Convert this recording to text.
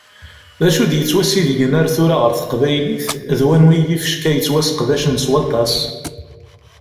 D acu i d-yettwasidgen ar tura ɣer teqbaylit, d wanwi yifecka i yettwasseqdacen s waṭas?